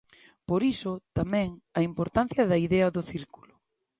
Por iso, tamén, a importancia da idea do círculo.